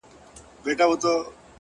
مهرباني د انسان تر ټولو نرم قوت دی